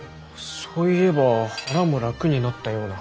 そういえば腹も楽になったような。